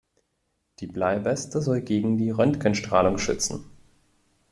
Die Bleiweste soll gegen die Röntgenstrahlung schützen.